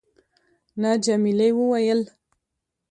نه. جميلې وويل:.